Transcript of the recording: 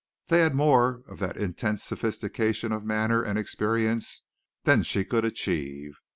They had more of that intense sophistication of manner and experience than she could achieve.